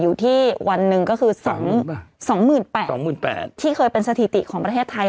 อยู่ที่วันหนึ่งก็คือสองหมื่นแปดสองหมื่นแปดที่เคยเป็นสถิติของประเทศไทย